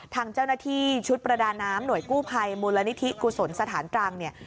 ทางเจ้าหน้าที่ชุดประดาน้ำหน่วยกู้ภัยมูลนิธิกุศลสถานตรังเนี่ย